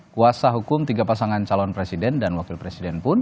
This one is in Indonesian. kuasa hukum tiga pasangan calon presiden dan wakil presiden pun